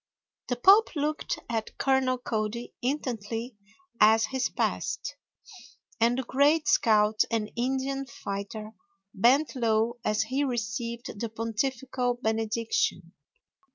The Pope looked at Colonel Cody intently as he passed, and the great scout and Indian fighter bent low as he received the pontifical benediction.